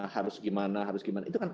harus gimana harus gimana itu kan